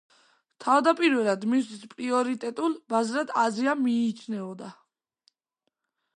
თავდაპირველად, მისთვის პრიორიტეტულ ბაზრად აზია მიიჩნეოდა.